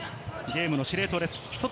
ゲームの司令塔です。